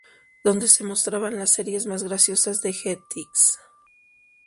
Donde se mostraban las series más "graciosas" de Jetix.